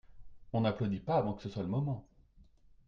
on n'applaudit pas avant que ce soit le moment.